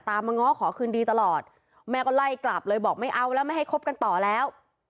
มาง้อขอคืนดีตลอดแม่ก็ไล่กลับเลยบอกไม่เอาแล้วไม่ให้คบกันต่อแล้ว